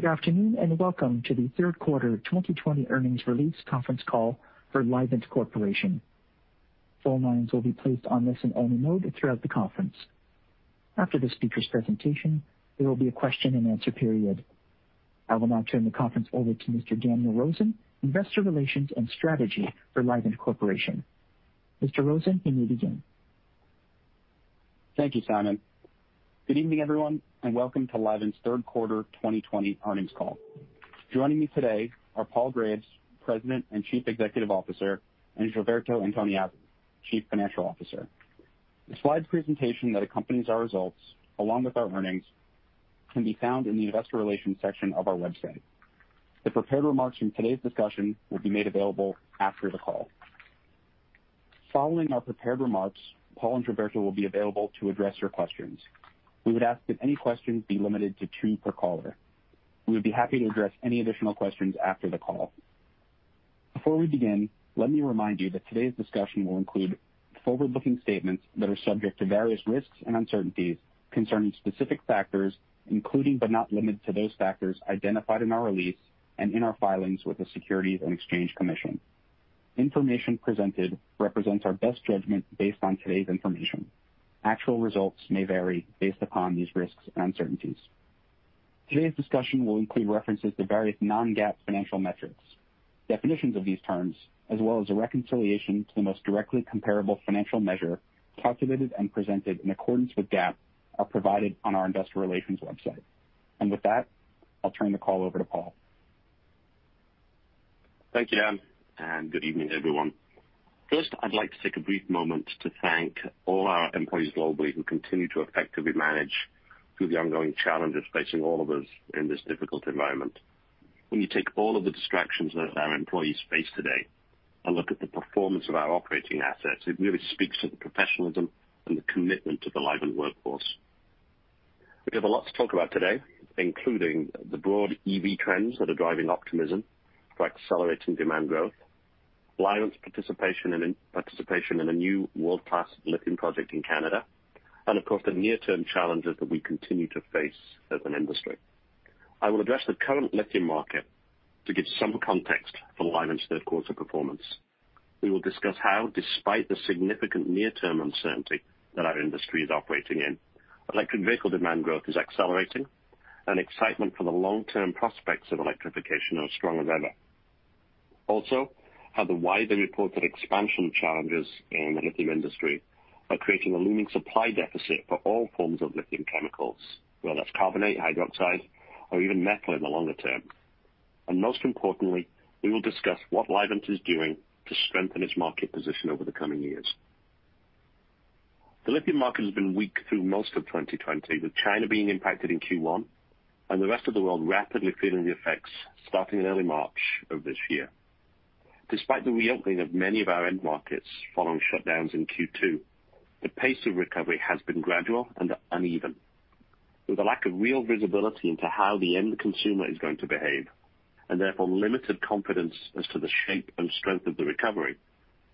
Good afternoon, and welcome to the third quarter 2020 earnings release conference call for Livent Corporation. Phone lines will be placed on listen-only mode throughout the conference. After the speakers' presentation, there will be a question-and-answer period. I will now turn the conference over to Mr. Daniel Rosen, Investor Relations and Strategy for Livent Corporation. Mr. Rosen, you may begin. Thank you, Simon. Good evening, everyone, and welcome to Livent's third quarter 2020 earnings call. Joining me today are Paul Graves, President and Chief Executive Officer, and Gilberto Antoniazzi, Chief Financial Officer. The slides presentation that accompanies our results, along with our earnings, can be found in the Investor Relations section of our website. The prepared remarks in today's discussion will be made available after the call. Following our prepared remarks, Paul and Gilberto will be available to address your questions. We would ask that any questions be limited to two per caller. We would be happy to address any additional questions after the call. Before we begin, let me remind you that today's discussion will include forward-looking statements that are subject to various risks and uncertainties concerning specific factors, including, but not limited to those factors identified in our release and in our filings with the Securities and Exchange Commission. Information presented represents our best judgment based on today's information. Actual results may vary based upon these risks and uncertainties. Today's discussion will include references to various non-GAAP financial metrics. Definitions of these terms, as well as a reconciliation to the most directly comparable financial measure calculated and presented in accordance with GAAP, are provided on our investor relations website. With that, I'll turn the call over to Paul. Thank you, Dan, and good evening, everyone. First, I'd like to take a brief moment to thank all our employees globally who continue to effectively manage through the ongoing challenges facing all of us in this difficult environment. When you take all of the distractions that our employees face today and look at the performance of our operating assets, it really speaks to the professionalism and the commitment to the Livent workforce. We have a lot to talk about today, including the broad EV trends that are driving optimism for accelerating demand growth, Livent's participation in a new world-class lithium project in Canada, and of course, the near-term challenges that we continue to face as an industry. I will address the current lithium market to give some context for Livent's third quarter performance. We will discuss how, despite the significant near-term uncertainty that our industry is operating in, electric vehicle demand growth is accelerating and excitement for the long-term prospects of electrification are as strong as ever. How the widely reported expansion challenges in the lithium industry are creating a looming supply deficit for all forms of lithium chemicals, whether that's carbonate, hydroxide, or even metal in the longer term. Most importantly, we will discuss what Livent is doing to strengthen its market position over the coming years. The lithium market has been weak through most of 2020, with China being impacted in Q1 and the rest of the world rapidly feeling the effects starting in early March of this year. Despite the reopening of many of our end markets following shutdowns in Q2, the pace of recovery has been gradual and uneven. With a lack of real visibility into how the end consumer is going to behave, and therefore limited confidence as to the shape and strength of the recovery,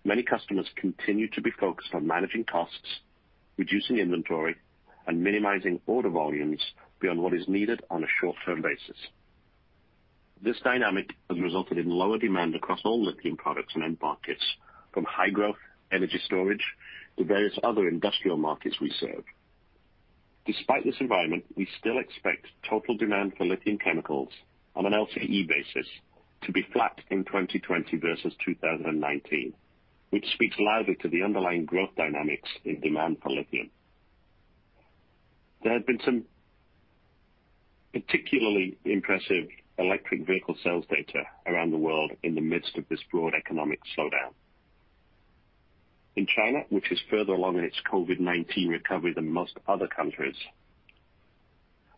many customers continue to be focused on managing costs, reducing inventory, and minimizing order volumes beyond what is needed on a short-term basis. This dynamic has resulted in lower demand across all lithium products and end markets, from high-growth energy storage to various other industrial markets we serve. Despite this environment, we still expect total demand for lithium chemicals on an LCE basis to be flat in 2020 versus 2019, which speaks loudly to the underlying growth dynamics in demand for lithium. There have been some particularly impressive electric vehicle sales data around the world in the midst of this broad economic slowdown. In China, which is further along in its COVID-19 recovery than most other countries,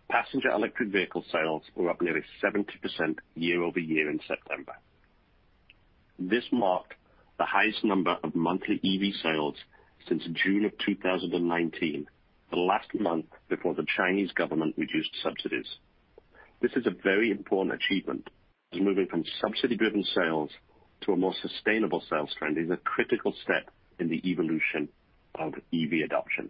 passenger electric vehicle sales were up nearly 70% year-over-year in September. This marked the highest number of monthly EV sales since June of 2019, the last month before the Chinese government reduced subsidies. This is a very important achievement, as moving from subsidy-driven sales to a more sustainable sales trend is a critical step in the evolution of EV adoption.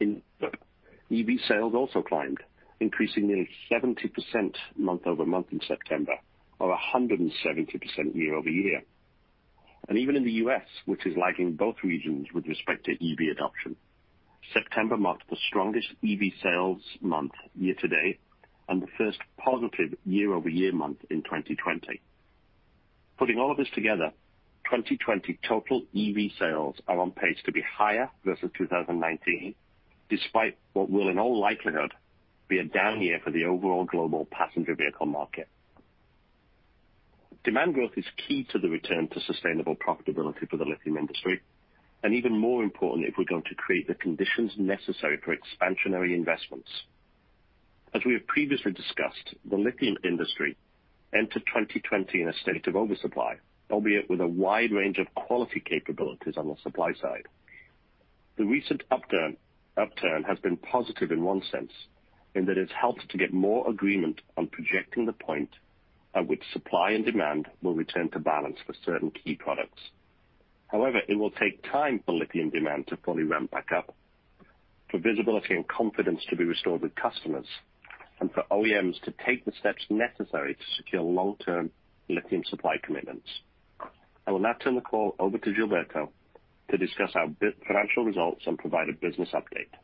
In Europe, EV sales also climbed, increasing nearly 70% month-over-month in September, or 170% year-over-year. Even in the U.S., which is lagging both regions with respect to EV adoption, September marked the strongest EV sales month year to date and the first positive year-over-year month in 2020. Putting all of this together, 2020 total EV sales are on pace to be higher versus 2019, despite what will in all likelihood be a down year for the overall global passenger vehicle market. Demand growth is key to the return to sustainable profitability for lithium industry. Even more importantly, if we're going to create the conditions necessary for expansionary investments. As we have previously discussed, the lithium industry entered 2020 in a state of oversupply, albeit with a wide range of quality capabilities on the supply side. The recent upturn has been positive in one sense, in that it's helped to get more agreement on projecting the point at which supply and demand will return to balance for certain key products. However, it will take time for lithium demand to fully ramp back up, for visibility and confidence to be restored with customers, and for OEMs to take the steps necessary to secure long-term lithium supply commitments. I will now turn the call over to Gilberto to discuss our financial results and provide a business update.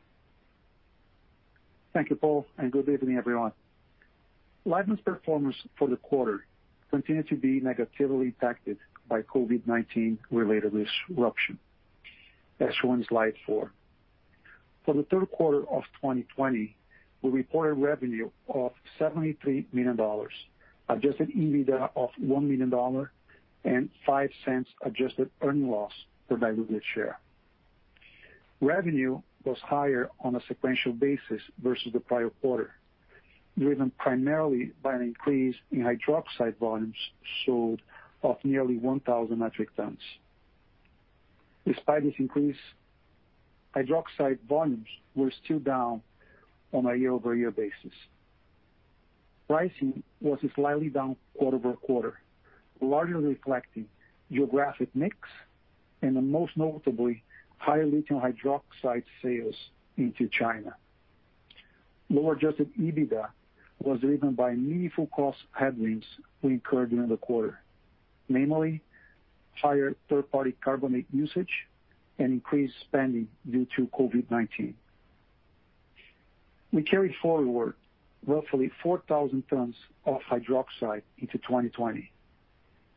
Thank you, Paul, and good evening, everyone. Livent's performance for the quarter continued to be negatively impacted by COVID-19 related disruption. As shown in slide four. For the third quarter of 2020, we reported revenue of $73 million, adjusted EBITDA of $1 million, and $0.05 adjusted earning loss per diluted share. Revenue was higher on a sequential basis versus the prior quarter, driven primarily by an increase in hydroxide volumes sold of nearly 1,000 metric tons. Despite this increase, hydroxide volumes were still down on a year-over-year basis. Pricing was slightly down quarter-over-quarter, largely reflecting geographic mix and most notably, higher lithium hydroxide sales into China. Lower adjusted EBITDA was driven by meaningful cost headwinds we incurred during the quarter, namely higher third-party carbonate usage and increased spending due to COVID-19. We carried forward roughly 4,000 tons of hydroxide into 2020,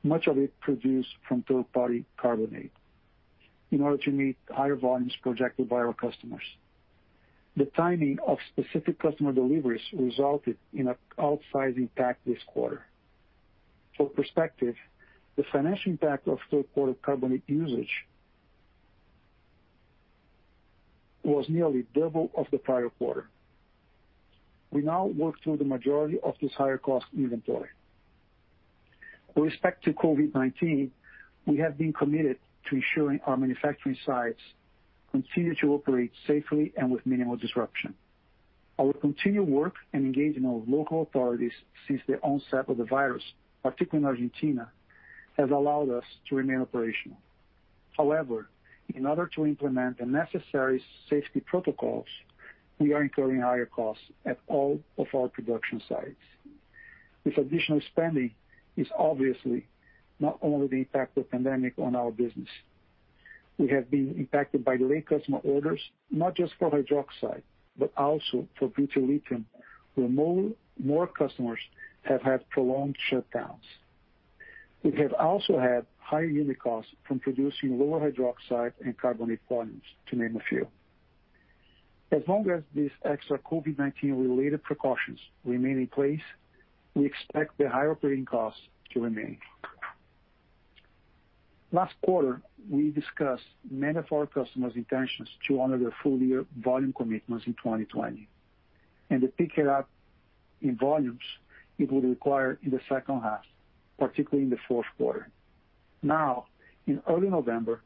much of it produced from third-party carbonate in order to meet higher volumes projected by our customers. The timing of specific customer deliveries resulted in an outsized impact this quarter. For perspective, the financial impact of third-party carbonate usage was nearly double of the prior quarter. We now work through the majority of this higher cost inventory. With respect to COVID-19, we have been committed to ensuring our manufacturing sites continue to operate safely and with minimal disruption. Our continued work and engaging our local authorities since the onset of the virus, particularly in Argentina, has allowed us to remain operational. In order to implement the necessary safety protocols, we are incurring higher costs at all of our production sites. This additional spending is obviously not only the impact of the pandemic on our business. We have been impacted by delayed customer orders, not just for hydroxide, but also for butyllithium, where more customers have had prolonged shutdowns. We have also had higher unit costs from producing lower hydroxide and carbonate volumes, to name a few. As long as these extra COVID-19 related precautions remain in place, we expect the higher operating costs to remain. Last quarter, we discussed many of our customers' intentions to honor their full-year volume commitments in 2020 and the pickup in volumes it would require in the second half, particularly in the fourth quarter. Now, in early November,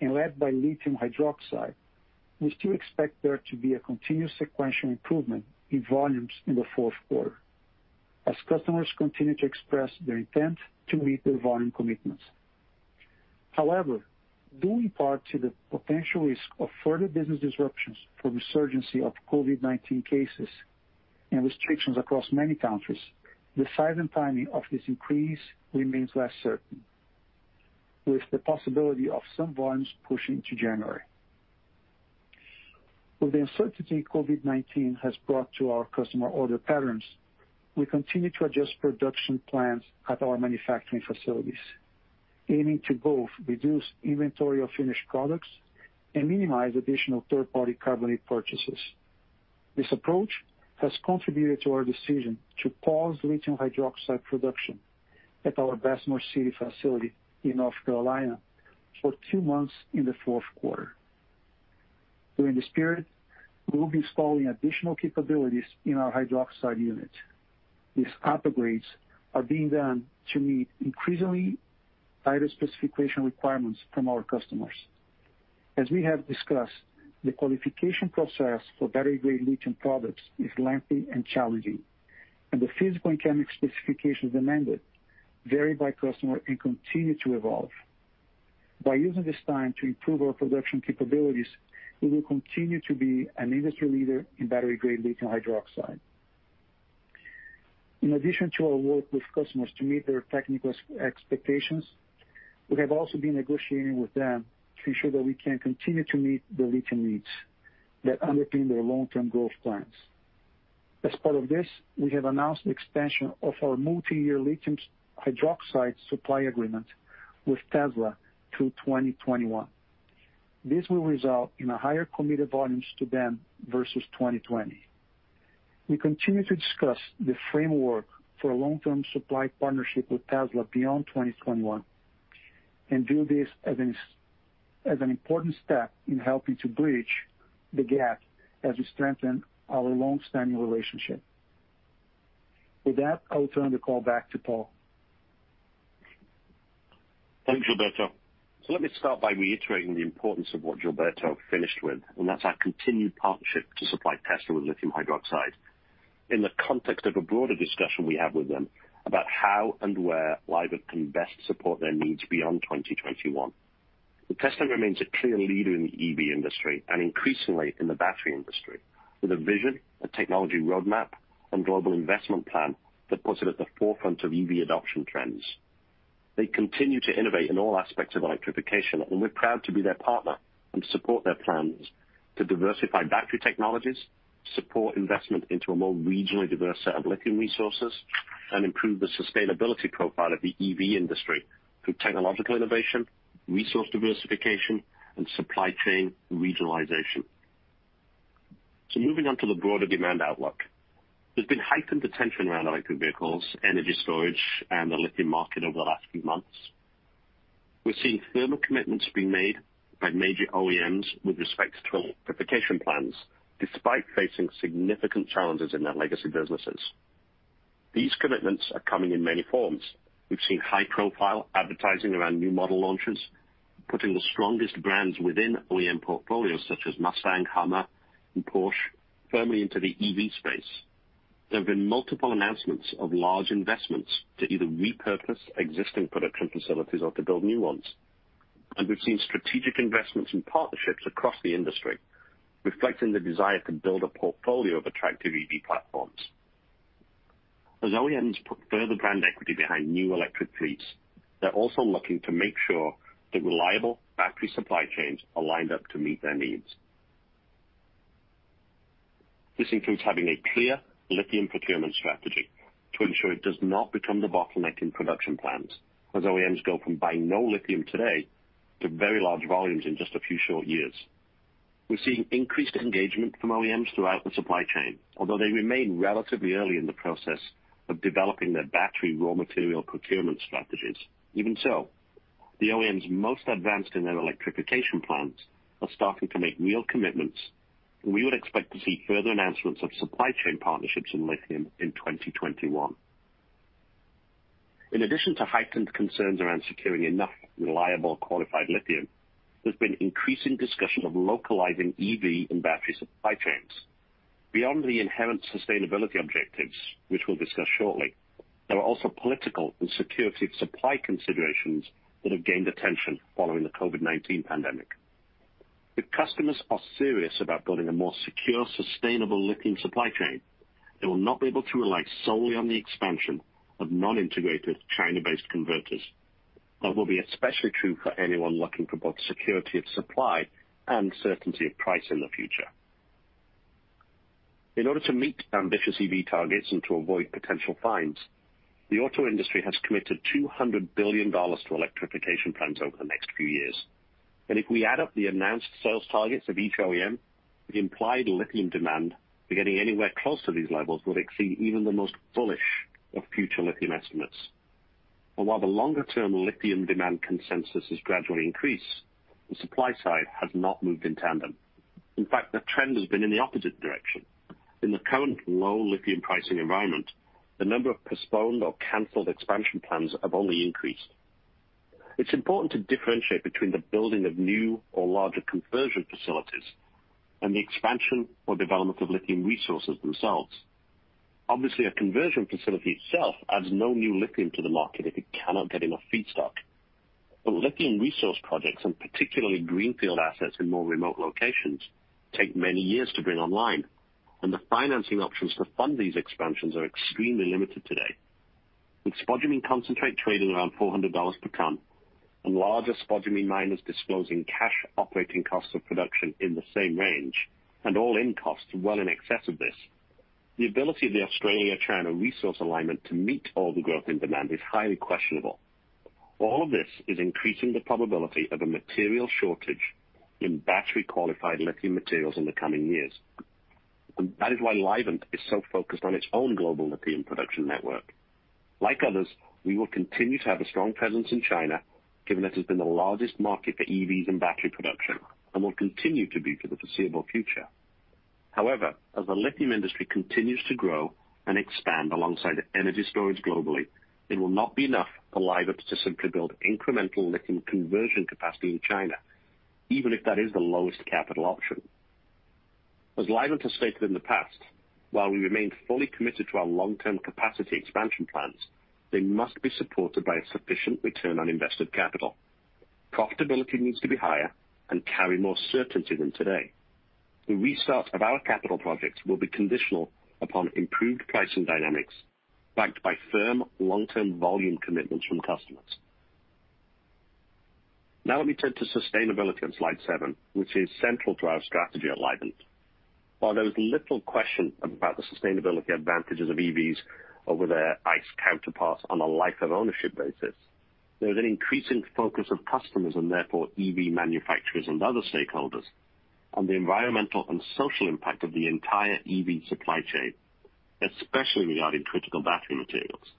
and led by lithium hydroxide, we still expect there to be a continuous sequential improvement in volumes in the fourth quarter as customers continue to express their intent to meet their volume commitments. However, due in part to the potential risk of further business disruptions from resurgency of COVID-19 cases and restrictions across many countries, the size and timing of this increase remains less certain with the possibility of some volumes pushing to January. With the uncertainty COVID-19 has brought to our customer order patterns, we continue to adjust production plans at our manufacturing facilities, aiming to both reduce inventory of finished products and minimize additional third-party carbonate purchases. This approach has contributed to our decision to pause lithium hydroxide production at our Bessemer City facility in North Carolina for two months in the fourth quarter. During this period, we will be installing additional capabilities in our hydroxide unit. These upgrades are being done to meet increasingly tighter specification requirements from our customers. As we have discussed, the qualification process for battery-grade lithium products is lengthy and challenging, and the physical and chemical specifications demanded vary by customer and continue to evolve. By using this time to improve our production capabilities, we will continue to be an industry leader in battery-grade lithium hydroxide. In addition to our work with customers to meet their technical expectations, we have also been negotiating with them to ensure that we can continue to meet their lithium needs that underpin their long-term growth plans. As part of this, we have announced the expansion of our multi-year lithium hydroxide supply agreement with Tesla through 2021. This will result in higher committed volumes to them versus 2020. We continue to discuss the framework for a long-term supply partnership with Tesla beyond 2021 and view this as an important step in helping to bridge the gap as we strengthen our longstanding relationship. With that, I will turn the call back to Paul. Thanks, Gilberto. Let me start by reiterating the importance of what Gilberto finished with, and that's our continued partnership to supply Tesla with lithium hydroxide. In the context of a broader discussion we have with them about how and where Livent can best support their needs beyond 2021. Tesla remains a clear leader in the EV industry and increasingly in the battery industry with a vision, a technology roadmap, and global investment plan that puts it at the forefront of EV adoption trends. They continue to innovate in all aspects of electrification, we're proud to be their partner and support their plans to diversify battery technologies, support investment into a more regionally diverse set of lithium resources, and improve the sustainability profile of the EV industry through technological innovation, resource diversification, and supply chain regionalization. Moving on to the broader demand outlook. There's been heightened attention around electric vehicles, energy storage, and the lithium market over the last few months. We're seeing firmer commitments being made by major OEMs with respect to electrification plans, despite facing significant challenges in their legacy businesses. These commitments are coming in many forms. We've seen high profile advertising around new model launches, putting the strongest brands within OEM portfolios such as Mustang, Hummer, and Porsche firmly into the EV space. There have been multiple announcements of large investments to either repurpose existing production facilities or to build new ones. We've seen strategic investments in partnerships across the industry, reflecting the desire to build a portfolio of attractive EV platforms. As OEMs put further brand equity behind new electric fleets, they're also looking to make sure that reliable factory supply chains are lined up to meet their needs. This includes having a clear lithium procurement strategy to ensure it does not become the bottleneck in production plans as OEMs go from buying no lithium today to very large volumes in just a few short years. We're seeing increased engagement from OEMs throughout the supply chain, although they remain relatively early in the process of developing their battery raw material procurement strategies. Even so, the OEMs most advanced in their electrification plans are starting to make real commitments, and we would expect to see further announcements of supply chain partnerships in lithium in 2021. In addition to heightened concerns around securing enough reliable, qualified lithium, there's been increasing discussion of localizing EV and battery supply chains. Beyond the inherent sustainability objectives, which we'll discuss shortly, there are also political and security of supply considerations that have gained attention following the COVID-19 pandemic. If customers are serious about building a more secure, sustainable lithium supply chain, they will not be able to rely solely on the expansion of non-integrated China-based converters. That will be especially true for anyone looking for both security of supply and certainty of price in the future. In order to meet ambitious EV targets and to avoid potential fines, the auto industry has committed $200 billion to electrification plans over the next few years. If we add up the announced sales targets of each OEM, the implied lithium demand for getting anywhere close to these levels would exceed even the most bullish of future lithium estimates. While the longer-term lithium demand consensus has gradually increased, the supply side has not moved in tandem. In fact, the trend has been in the opposite direction. In the current low lithium pricing environment, the number of postponed or canceled expansion plans have only increased. It's important to differentiate between the building of new or larger conversion facilities and the expansion or development of lithium resources themselves. Obviously, a conversion facility itself adds no new lithium to the market if it cannot get enough feedstock. Lithium resource projects, and particularly greenfield assets in more remote locations, take many years to bring online, and the financing options to fund these expansions are extremely limited today. With spodumene concentrate trading around $400 per ton and larger spodumene miners disclosing cash operating costs of production in the same range, and all-in costs well in excess of this, the ability of the Australia-China resource alignment to meet all the growth in demand is highly questionable. All of this is increasing the probability of a material shortage in battery qualified lithium materials in the coming years. That is why Livent is so focused on its own global lithium production network. Like others, we will continue to have a strong presence in China, given that has been the largest market for EVs and battery production and will continue to be for the foreseeable future. However, as the lithium industry continues to grow and expand alongside energy storage globally, it will not be enough for Livent to simply build incremental lithium conversion capacity in China, even if that is the lowest capital option. As Livent has stated in the past, while we remain fully committed to our long-term capacity expansion plans, they must be supported by a sufficient return on invested capital. Profitability needs to be higher and carry more certainty than today. The restart of our capital projects will be conditional upon improved pricing dynamics, backed by firm long-term volume commitments from customers. Now let me turn to sustainability on slide seven, which is central to our strategy at Livent. While there is little question about the sustainability advantages of EVs over their ICE counterparts on a life of ownership basis, there is an increasing focus of customers and therefore EV manufacturers and other stakeholders on the environmental and social impact of the entire EV supply chain, especially regarding critical battery materials.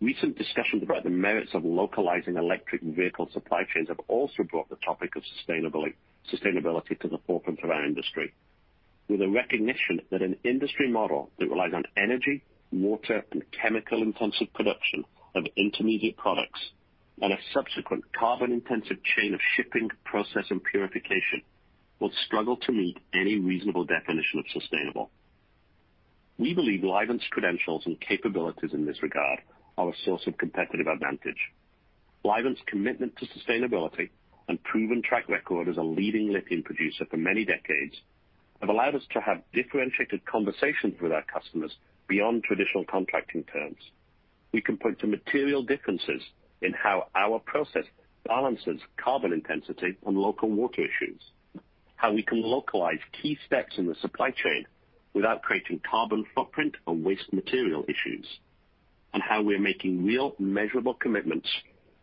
Recent discussions about the merits of localizing electric vehicle supply chains have also brought the topic of sustainability to the forefront of our industry, with a recognition that an industry model that relies on energy, water, and chemical-intensive production of intermediate products and a subsequent carbon-intensive chain of shipping process and purification will struggle to meet any reasonable definition of sustainable. We believe Livent's credentials and capabilities in this regard are a source of competitive advantage. Livent's commitment to sustainability and proven track record as a leading lithium producer for many decades have allowed us to have differentiated conversations with our customers beyond traditional contracting terms. We can point to material differences in how our process balances carbon intensity on local water issues, how we can localize key steps in the supply chain without creating carbon footprint or waste material issues, and how we're making real measurable commitments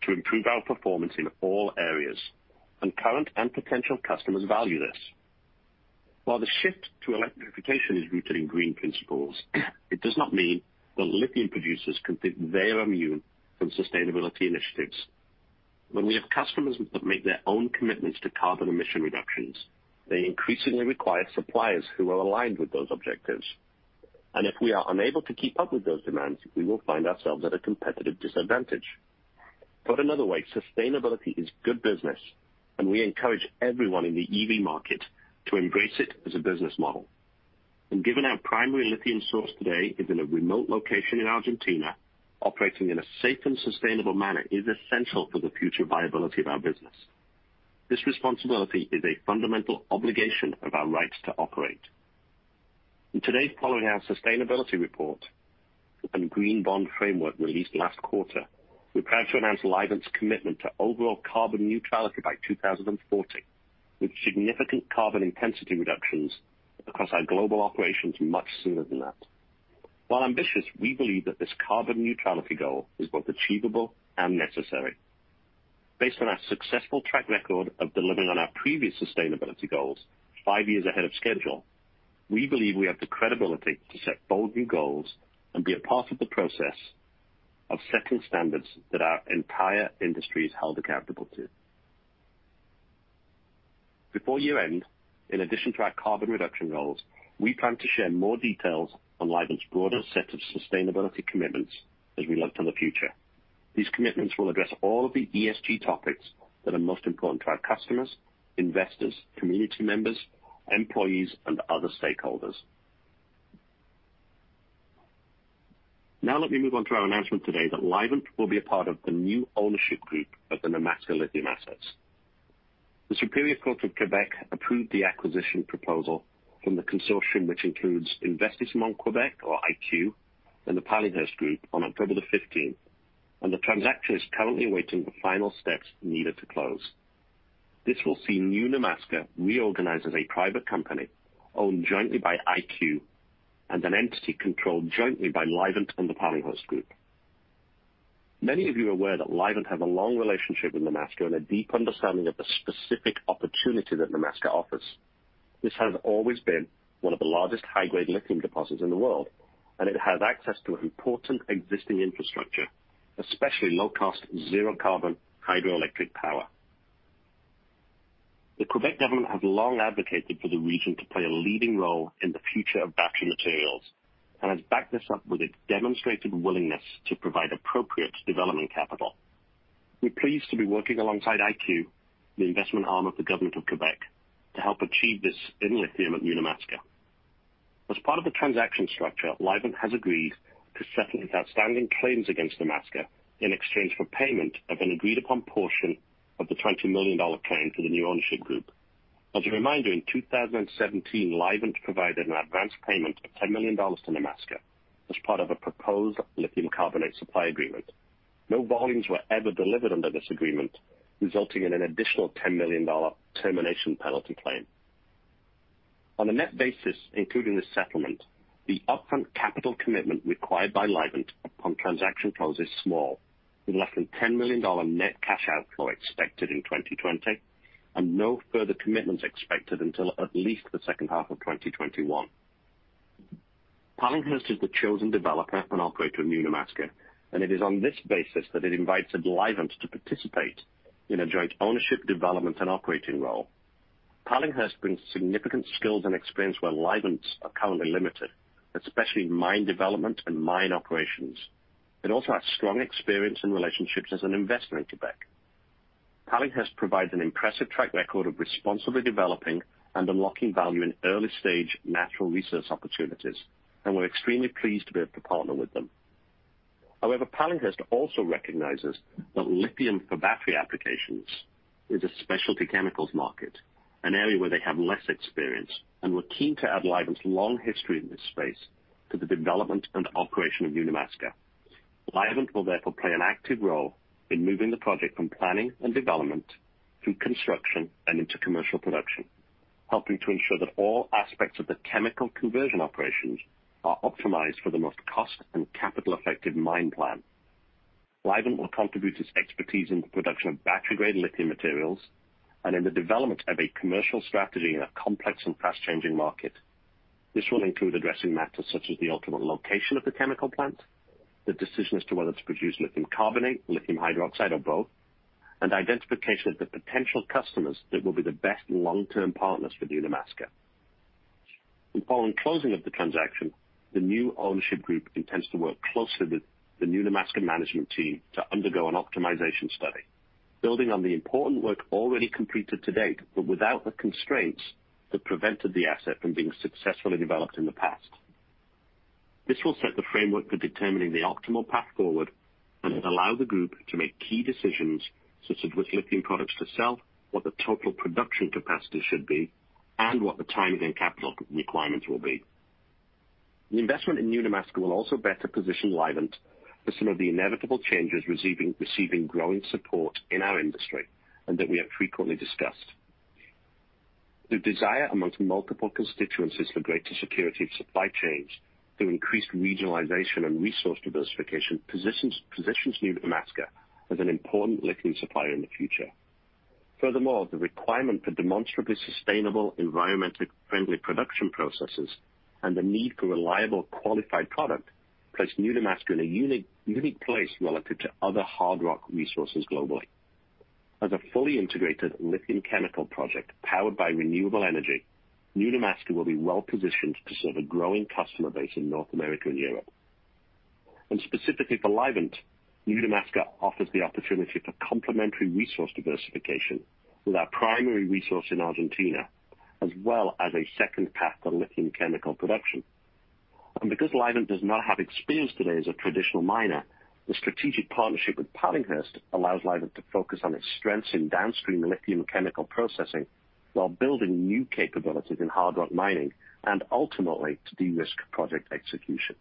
to improve our performance in all areas, and current and potential customers value this. While the shift to electrification is rooted in green principles, it does not mean that lithium producers can think they are immune from sustainability initiatives. When we have customers that make their own commitments to carbon emission reductions, they increasingly require suppliers who are aligned with those objectives. If we are unable to keep up with those demands, we will find ourselves at a competitive disadvantage. Put another way, sustainability is good business, and we encourage everyone in the EV market to embrace it as a business model. Given our primary lithium source today is in a remote location in Argentina, operating in a safe and sustainable manner is essential for the future viability of our business. This responsibility is a fundamental obligation of our rights to operate. Today, following our sustainability report and green bond framework released last quarter, we're proud to announce Livent's commitment to overall carbon neutrality by 2040, with significant carbon intensity reductions across our global operations much sooner than that. While ambitious, we believe that this carbon neutrality goal is both achievable and necessary. Based on our successful track record of delivering on our previous sustainability goals, five years ahead of schedule, we believe we have the credibility to set bold new goals and be a part of the process of setting standards that our entire industry is held accountable to. Before year-end, in addition to our carbon reduction goals, we plan to share more details on Livent's broader set of sustainability commitments as we look to the future. These commitments will address all of the ESG topics that are most important to our customers, investors, community members, employees, and other stakeholders. Let me move on to our announcement today that Livent will be a part of the new ownership group of the Nemaska lithium assets. The Superior Court of Quebec approved the acquisition proposal from the consortium, which includes Investissement Québec, or IQ, and the Pallinghurst Group on October the 15th. The transaction is currently awaiting the final steps needed to close. This will see New Nemaska reorganized as a private company owned jointly by IQ and an entity controlled jointly by Livent and the Pallinghurst Group. Many of you are aware that Livent have a long relationship with Nemaska and a deep understanding of the specific opportunity that Nemaska offers. This has always been one of the largest high-grade lithium deposits in the world. It has access to important existing infrastructure, especially low-cost zero-carbon hydroelectric power. The Quebec government has long advocated for the region to play a leading role in the future of battery materials and has backed this up with its demonstrated willingness to provide appropriate development capital. We're pleased to be working alongside IQ, the investment arm of the government of Quebec, to help achieve this in lithium at New Nemaska. As part of the transaction structure, Livent has agreed to settle its outstanding claims against Nemaska in exchange for payment of an agreed-upon portion of the $20 million claim to the new ownership group. As a reminder, in 2017, Livent provided an advance payment of $10 million to Nemaska as part of a proposed lithium carbonate supply agreement. No volumes were ever delivered under this agreement, resulting in an additional $10 million termination penalty claim. On a net basis, including the settlement, the upfront capital commitment required by Livent upon transaction close is small, with less than $10 million net cash outflow expected in 2020 and no further commitments expected until at least the second half of 2021. Pallinghurst is the chosen developer and operator of New Nemaska, it is on this basis that it invited Livent to participate in a joint ownership development and operating role. Pallinghurst brings significant skills and experience where Livent's are currently limited, especially mine development and mine operations. It also has strong experience in relationships as an investor in Quebec. Pallinghurst provides an impressive track record of responsibly developing and unlocking value in early-stage natural resource opportunities, we're extremely pleased to be able to partner with them. Pallinghurst also recognizes that lithium for battery applications is a specialty chemicals market, an area where they have less experience and were keen to add Livent's long history in this space to the development and operation of New Nemaska. Livent will therefore play an active role in moving the project from planning and development through construction and into commercial production, helping to ensure that all aspects of the chemical conversion operations are optimized for the most cost and capital-effective mine plan. Livent will contribute its expertise in the production of battery-grade lithium materials and in the development of a commercial strategy in a complex and fast-changing market. This will include addressing matters such as the ultimate location of the chemical plant, the decision as to whether to produce lithium carbonate, lithium hydroxide, or both, and identification of the potential customers that will be the best long-term partners for New Nemaska. Following closing of the transaction, the new ownership group intends to work closely with the New Nemaska management team to undergo an optimization study, building on the important work already completed to date, but without the constraints that prevented the asset from being successfully developed in the past. This will set the framework for determining the optimal path forward and allow the group to make key decisions such as which lithium products to sell, what the total production capacity should be, and what the timing and capital requirements will be. The investment in New Nemaska will also better position Livent for some of the inevitable changes receiving growing support in our industry and that we have frequently discussed. The desire amongst multiple constituencies for greater security of supply chains through increased regionalization and resource diversification positions New Nemaska as an important lithium supplier in the future. Furthermore, the requirement for demonstrably sustainable, environmentally friendly production processes and the need for reliable, qualified product place New Nemaska in a unique place relative to other hard rock resources globally. As a fully integrated lithium chemical project powered by renewable energy, New Nemaska will be well-positioned to serve a growing customer base in North America and Europe. Specifically for Livent, New Nemaska offers the opportunity for complementary resource diversification with our primary resource in Argentina, as well as a second path for lithium chemical production. Because Livent does not have experience today as a traditional miner, the strategic partnership with Pallinghurst allows Livent to focus on its strengths in downstream lithium chemical processing while building new capabilities in hard rock mining and ultimately to de-risk project execution.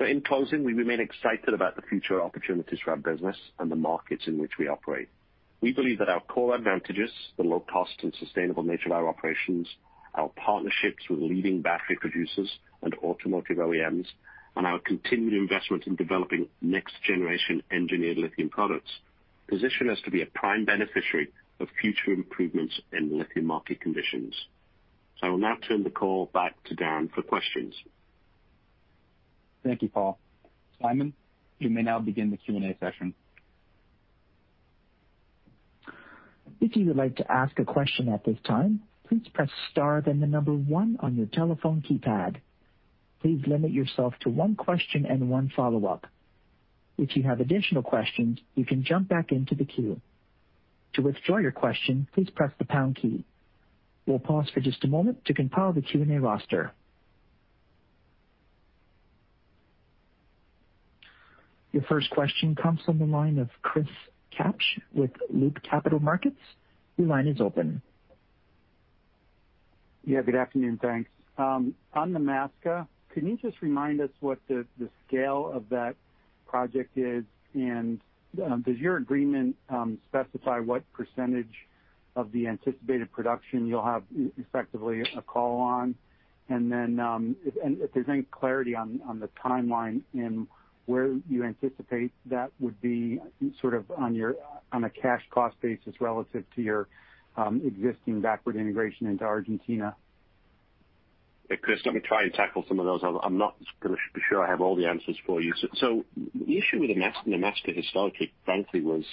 In closing, we remain excited about the future opportunities for our business and the markets in which we operate. We believe that our core advantages, the low cost and sustainable nature of our operations, our partnerships with leading battery producers and automotive OEMs, and our continued investment in developing next generation engineered lithium products position us to be a prime beneficiary of future improvements in lithium market conditions. I will now turn the call back to Dan for questions. Thank you, Paul. Simon, you may now begin the Q&A session. If you would like to ask a question at this time, please press star then the number one on your telephone keypad. Please limit yourself to one question and one follow-up. If you have additional questions, you can jump back into the queue. To withdraw your question, please press the pound key. We'll pause for just a moment to compile the Q&A roster. Your first question comes from the line of Chris Kapsch with Loop Capital Markets. Your line is open. Yeah, good afternoon. Thanks. On Nemaska, can you just remind us what the scale of that project is? Does your agreement specify what percentage of the anticipated production you'll have effectively a call on? If there's any clarity on the timeline and where you anticipate that would be sort of on a cash cost basis relative to your existing backward integration into Argentina. Hey, Chris, let me try and tackle some of those. I'm not sure I have all the answers for you. The issue with Nemaska historically, frankly, was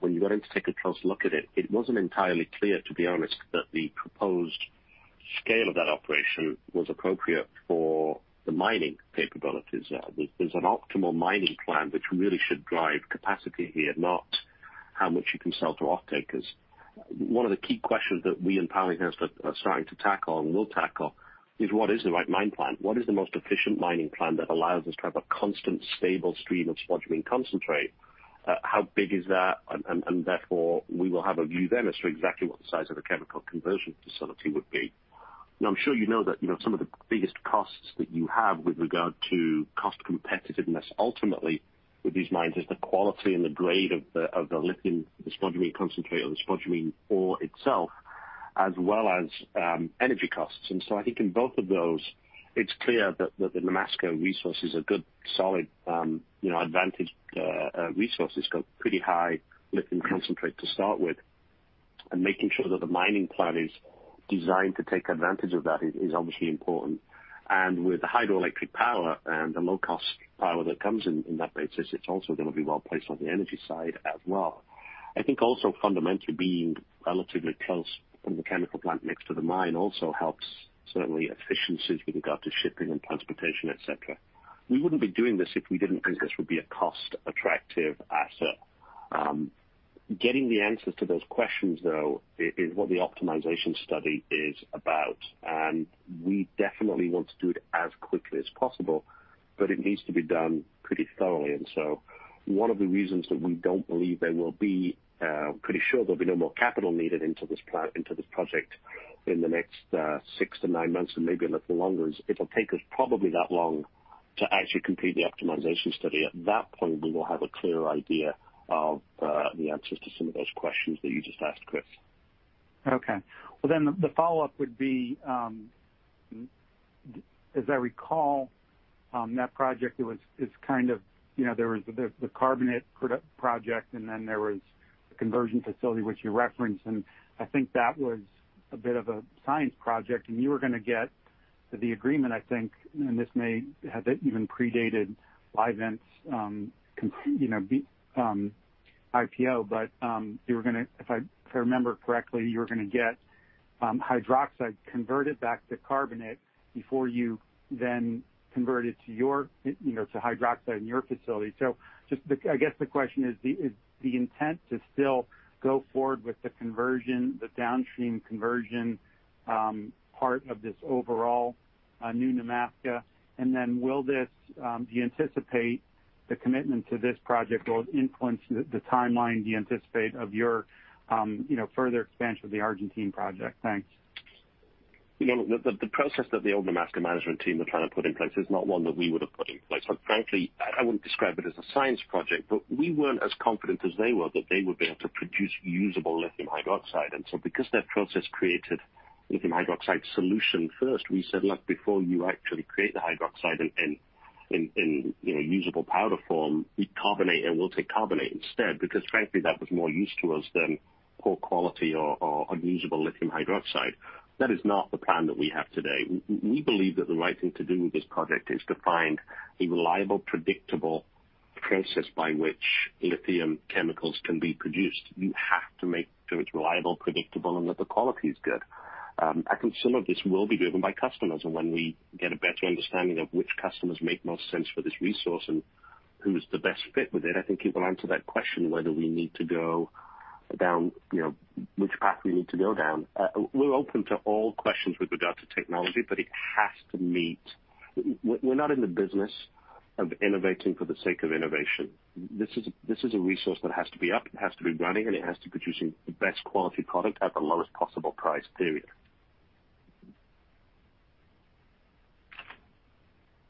when you got in to take a close look at it wasn't entirely clear, to be honest, that the proposed scale of that operation was appropriate for the mining capabilities there. There's an optimal mining plan which really should drive capacity here, not how much you can sell to offtakers. One of the key questions that we and Pallinghurst are starting to tackle and will tackle is what is the right mine plan? What is the most efficient mining plan that allows us to have a constant stable stream of spodumene concentrate? How big is that? Therefore, we will have a view then as to exactly what the size of the chemical conversion facility would be. I'm sure you know that some of the biggest costs that you have with regard to cost competitiveness, ultimately with these mines, is the quality and the grade of the lithium, the spodumene concentrate, or the spodumene ore itself, as well as energy costs. I think in both of those, it's clear that the Nemaska resource is a good, solid advantaged resource. It's got pretty high lithium concentrate to start with. Making sure that the mining plan is designed to take advantage of that is obviously important. With the hydroelectric power and the low-cost power that comes in that basis, it's also going to be well-placed on the energy side as well. I think also fundamentally, being relatively close putting the chemical plant next to the mine also helps certainly efficiencies with regard to shipping and transportation, et cetera. We wouldn't be doing this if we didn't think this would be a cost-attractive asset. Getting the answers to those questions, though, is what the optimization study is about, and we definitely want to do it as quickly as possible, but it needs to be done pretty thoroughly. One of the reasons that we don't believe there'll be no more capital needed into this project in the next six to nine months and maybe a little longer, is it'll take us probably that long to actually complete the optimization study. At that point, we will have a clearer idea of the answers to some of those questions that you just asked, Chris. Okay. Well, the follow-up would be, as I recall, that project is kind of there was the carbonate project and then there was the conversion facility, which you referenced, and I think that was a bit of a science project. The agreement, I think, and this may have even predated Livent's IPO, but if I remember correctly, you were going to get hydroxide converted back to carbonate before you then convert it to hydroxide in your facility. I guess the question is the intent to still go forward with the conversion, the downstream conversion, part of this overall New Nemaska? Do you anticipate the commitment to this project will influence the timeline of your further expansion of the Argentine project? Thanks. The process that the old Nemaska management team were trying to put in place is not one that we would have put in place. Quite frankly, I wouldn't describe it as a science project, but we weren't as confident as they were that they would be able to produce usable lithium hydroxide. Because that process created lithium hydroxide solution, first we said, "Look, before you actually create the hydroxide in usable powder form, we carbonate and we'll take carbonate instead," because frankly, that was more use to us than poor quality or unusable lithium hydroxide. That is not the plan that we have today. We believe that the right thing to do with this project is to find a reliable, predictable process by which lithium chemicals can be produced. You have to make sure it's reliable, predictable, and that the quality is good. I think some of this will be driven by customers, and when we get a better understanding of which customers make most sense for this resource and who's the best fit with it, I think it will answer that question whether we need to go down, which path we need to go down. We're open to all questions with regard to technology. We're not in the business of innovating for the sake of innovation. This is a resource that has to be up, it has to be running, and it has to be producing the best quality product at the lowest possible price, period.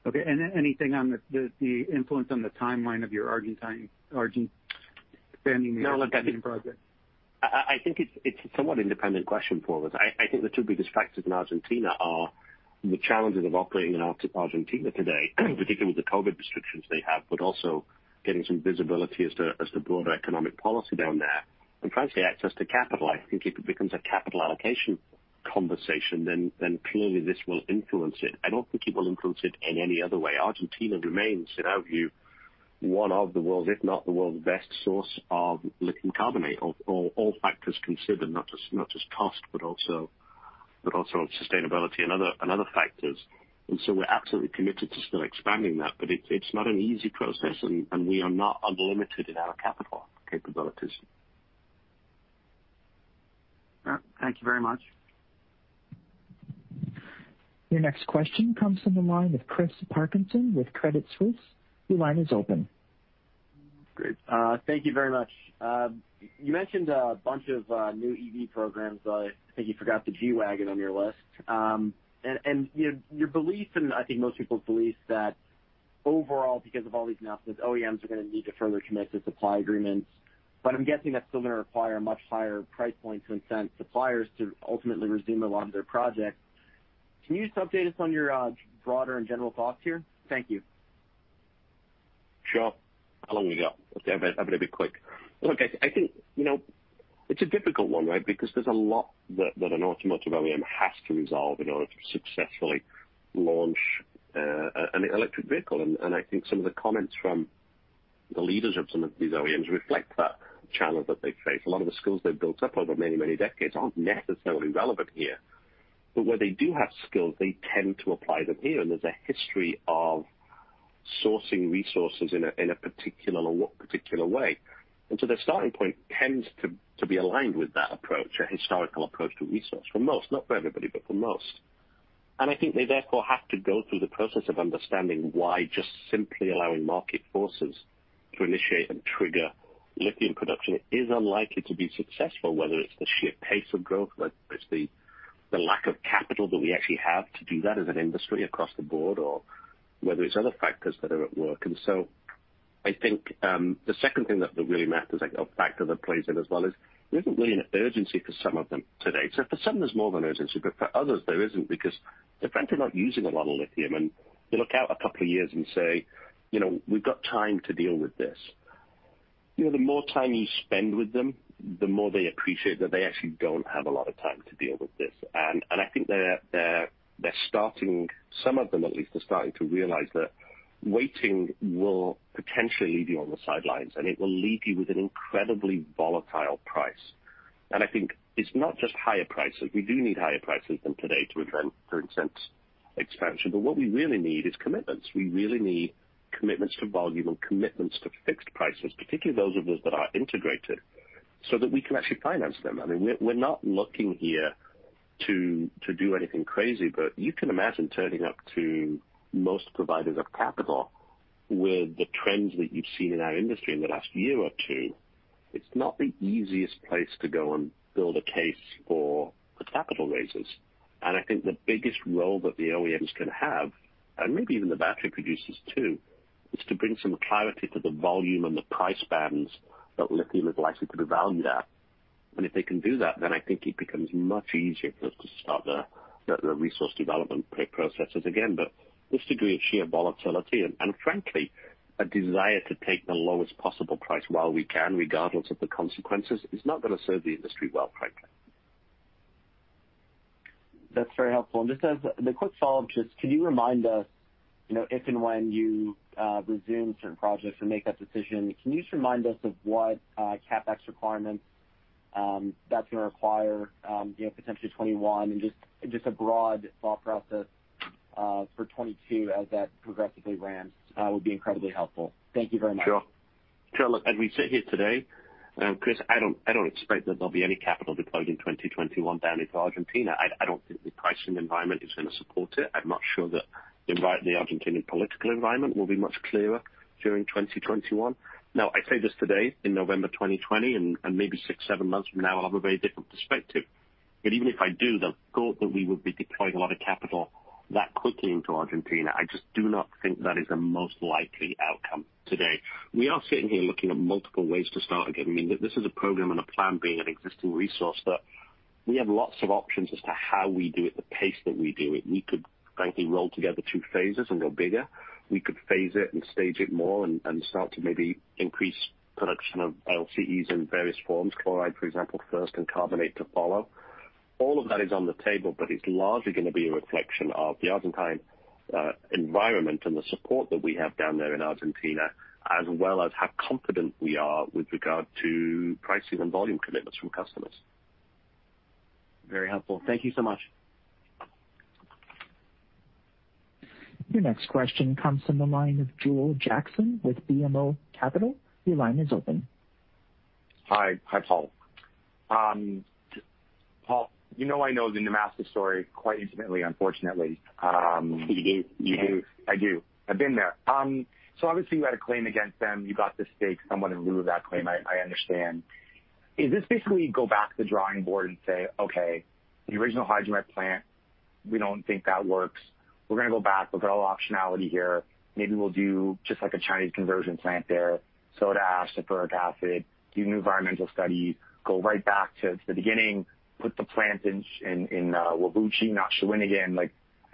Okay. Anything on the influence on the timeline of your expanding the Argentine project? I think it's a somewhat independent question for us. I think the two biggest factors in Argentina are the challenges of operating in Argentina today, particularly with the COVID restrictions they have. Also getting some visibility as to broader economic policy down there. Frankly, access to capital. I think if it becomes a capital allocation conversation, then clearly this will influence it. I don't think it will influence it in any other way. Argentina remains, in our view, one of the world, if not the world's best source of lithium carbonate, all factors considered, not just cost, but also sustainability and other factors. We're absolutely committed to still expanding that, but it's not an easy process, and we are not unlimited in our capital capabilities. All right. Thank you very much. Your next question comes from the line of Chris Parkinson with Credit Suisse. Your line is open. Great. Thank you very much. You mentioned a bunch of new EV programs, I think you forgot the G-Wagon on your list. Your belief, and I think most people's belief that overall, because of all these announcements, OEMs are going to need to further commit to supply agreements. I'm guessing that's still going to require a much higher price point to incent suppliers to ultimately resume a lot of their projects. Can you just update us on your broader and general thoughts here? Thank you. Sure. How long have we got? I'm going to be quick. I think it's a difficult one, right? There's a lot that an automotive OEM has to resolve in order to successfully launch an electric vehicle. I think some of the comments from the leaders of some of these OEMs reflect that challenge that they face. A lot of the skills they've built up over many, many decades aren't necessarily relevant here. Where they do have skills, they tend to apply them here, and there's a history of sourcing resources in a particular way. Their starting point tends to be aligned with that approach, a historical approach to resource. For most, not for everybody, but for most. I think they therefore have to go through the process of understanding why just simply allowing market forces to initiate and trigger lithium production is unlikely to be successful, whether it's the sheer pace of growth, whether it's the lack of capital that we actually have to do that as an industry across the board, or whether it's other factors that are at work. I think, the second thing that really matters, like a factor that plays in as well is there isn't really an urgency for some of them today. For some, there's more of an urgency, but for others, there isn't because they're frankly not using a lot of lithium, and they look out a couple of years and say, "We've got time to deal with this." The more time you spend with them, the more they appreciate that they actually don't have a lot of time to deal with this. I think they're starting, some of them at least, are starting to realize that waiting will potentially leave you on the sidelines, and it will leave you with an incredibly volatile price. I think it's not just higher prices. We do need higher prices than today to incent expansion. What we really need is commitments. We really need commitments to volume and commitments to fixed prices, particularly those of us that are integrated, so that we can actually finance them. I mean, we're not looking here to do anything crazy. You can imagine turning up to most providers of capital with the trends that you've seen in our industry in the last year or two. It's not the easiest place to go and build a case for capital raises. I think the biggest role that the OEMs can have, and maybe even the battery producers too, is to bring some clarity to the volume and the price bands that lithium is likely to be valued at. If they can do that, then I think it becomes much easier for us to start the resource development processes again. This degree of sheer volatility and frankly, a desire to take the lowest possible price while we can, regardless of the consequences, is not going to serve the industry well, frankly. That's very helpful. Just as the quick follow-up, just could you remind us if and when you resume certain projects or make that decision, can you just remind us of what CapEx requirements that's going to require potentially 2021 and just a broad thought process for 2022 as that progressively ramps would be incredibly helpful. Thank you very much. Sure. Look, as we sit here today, Chris, I don't expect that there'll be any capital deployed in 2021 down into Argentina. I don't think the pricing environment is going to support it. I'm not sure that the Argentinian political environment will be much clearer during 2021. I say this today in November 2020, and maybe six, seven months from now, I'll have a very different perspective. Even if I do, the thought that we would be deploying a lot of capital that quickly into Argentina, I just do not think that is the most likely outcome today. We are sitting here looking at multiple ways to start again. This is a program and a plan being an existing resource, but we have lots of options as to how we do it, the pace that we do it. We could frankly roll together two phases and go bigger. We could phase it and stage it more and start to maybe increase production of LCEs in various forms, chloride, for example, first and carbonate to follow. All of that is on the table, but it's largely going to be a reflection of the Argentine environment and the support that we have down there in Argentina, as well as how confident we are with regard to pricing and volume commitments from customers. Very helpful. Thank you so much. Your next question comes from the line of Joel Jackson with BMO Capital. Your line is open. Hi, Paul. Paul, you know I know the Nemaska story quite intimately, unfortunately. Indeed you do. I do. I've been there. Obviously you had a claim against them. You got the stake somewhat in lieu of that claim, I understand. Is this basically go back to the drawing board and say, okay, the original hydromet plant, we don't think that works. We're going to go back. We've got all optionality here. Maybe we'll do just like a Chinese conversion plant there, soda ash, sulfuric acid, do new environmental studies, go right back to the beginning, put the plant in Whabouchi, not Shawinigan.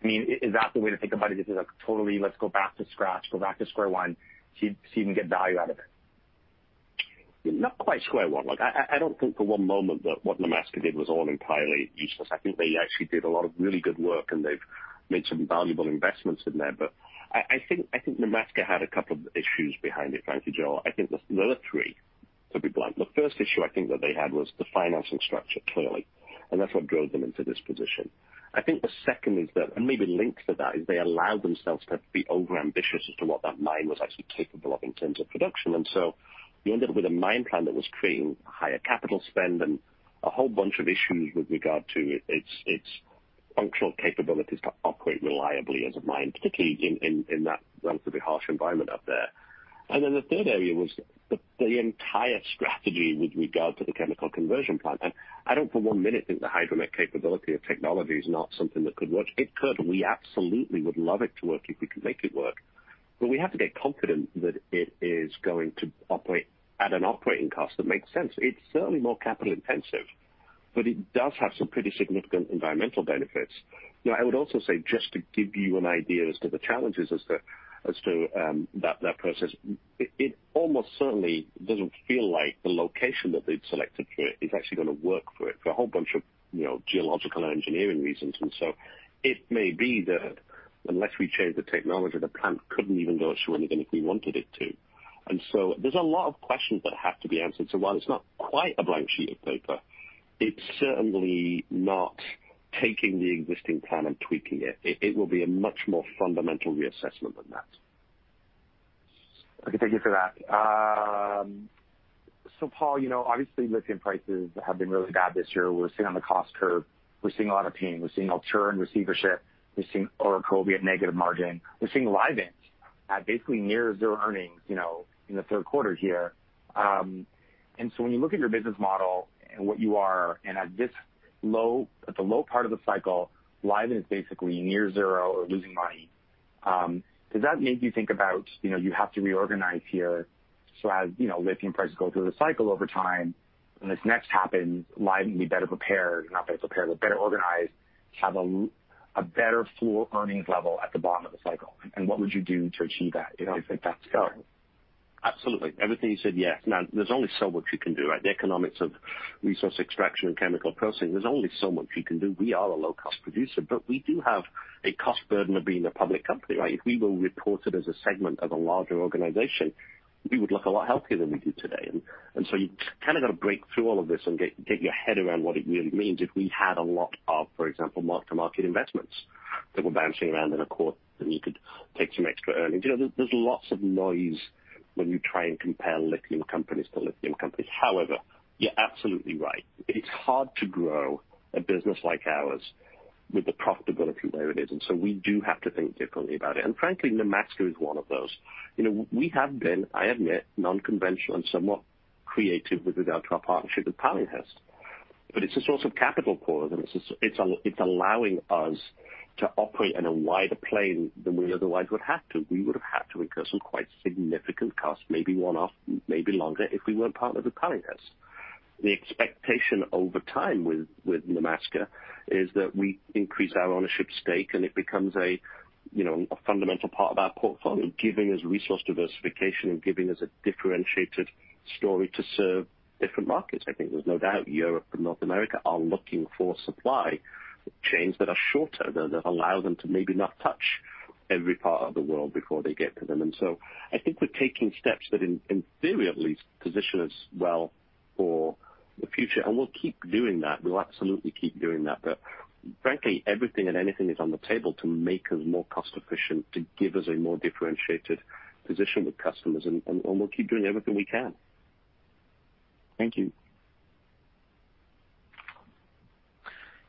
Is that the way to think about it? Is this a totally, let's go back to scratch, go back to square one, see if we can get value out of it? Not quite square one. I don't think for one moment that what Nemaska did was all entirely useless. I think they actually did a lot of really good work, and they've made some valuable investments in there. I think Nemaska had a couple of issues behind it, frankly, Joel. I think there's another three, to be blunt. The first issue I think that they had was the financing structure, clearly, and that's what drove them into this position. I think the second is that, and maybe linked to that, is they allowed themselves to be overambitious as to what that mine was actually capable of in terms of production, you ended up with a mine plan that was creating higher capital spend and a whole bunch of issues with regard to its functional capabilities to operate reliably as a mine, particularly in that relatively harsh environment up there. The third area was the entire strategy with regard to the chemical conversion plant. I don't for one minute think the hydromet capability of technology is not something that could work. It could. We absolutely would love it to work if we could make it work. We have to get confident that it is going to operate at an operating cost that makes sense. It's certainly more capital intensive, but it does have some pretty significant environmental benefits. I would also say, just to give you an idea as to the challenges as to that process, it almost certainly doesn't feel like the location that they've selected for it is actually going to work for it for a whole bunch of geological engineering reasons. It may be that unless we change the technology, the plant couldn't even go at Shawinigan if we wanted it to. There's a lot of questions that have to be answered. While it's not quite a blank sheet of paper, it's certainly not taking the existing plan and tweaking it. It will be a much more fundamental reassessment than that. Okay. Thank you for that. Paul, obviously lithium prices have been really bad this year. We're sitting on the cost curve. We're seeing a lot of pain. We're seeing Altura in receivership. We're seeing Orocobre at negative margin. We're seeing Livent at basically near zero earnings in the third quarter here. When you look at your business model and what you are, and at the low part of the cycle, Livent is basically near zero or losing money. Does that make you think about you have to reorganize here so as lithium prices go through the cycle over time, when this next happens, Livent be better prepared, not better prepared, but better organized, have a better floor earnings level at the bottom of the cycle? What would you do to achieve that if that's going? Absolutely. Everything you said, yes. There's only so much you can do, right? The economics of resource extraction and chemical processing, there's only so much you can do. We are a low-cost producer, we do have a cost burden of being a public company, right? If we were reported as a segment of a larger organization, we would look a lot healthier than we do today. You've kind of got to break through all of this and get your head around what it really means if we had a lot of, for example, mark-to-market investments that were bouncing around in a quarter, then you could take some extra earnings. There's lots of noise when you try and compare lithium companies to lithium companies. You're absolutely right. It's hard to grow a business like ours with the profitability where it is. We do have to think differently about it. Frankly, Nemaska is one of those. We have been, I admit, non-conventional and somewhat creative with regard to our partnership with Pallinghurst. It's a source of capital for us. It's allowing us to operate on a wider plane than we otherwise would have to. We would have had to incur some quite significant costs, maybe one-off, maybe longer, if we weren't part of the Pallinghurst. The expectation over time with Nemaska is that we increase our ownership stake. It becomes a fundamental part of our portfolio, giving us resource diversification and giving us a differentiated story to serve different markets. I think there's no doubt Europe and North America are looking for supply chains that are shorter, that allow them to maybe not touch every part of the world before they get to them. I think we're taking steps that, in theory at least, position us well for the future, and we'll keep doing that. We'll absolutely keep doing that. Frankly, everything and anything is on the table to make us more cost-efficient, to give us a more differentiated position with customers, and we'll keep doing everything we can. Thank you.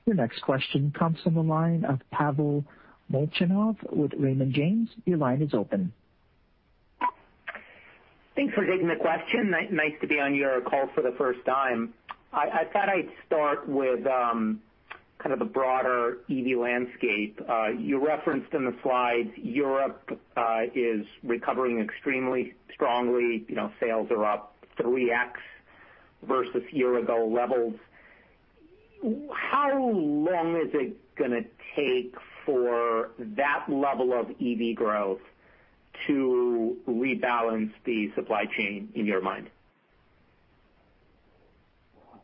Your next question comes from the line of Pavel Molchanov with Raymond James. Your line is open. Thanks for taking the question. Nice to be on your call for the first time. I thought I'd start with kind of a broader EV landscape. You referenced in the slides Europe is recovering extremely strongly. Sales are up 3x versus year-ago levels. How long is it going to take for that level of EV growth to rebalance the supply chain, in your mind?